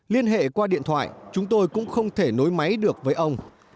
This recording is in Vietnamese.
liên hệ qua điện thoại chúng tôi cũng không thể nối máy được với ông